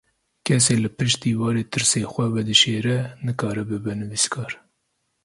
Kesê li pişt dîwarê tirsê xwe vedişêre, nikare bibe nivîskar.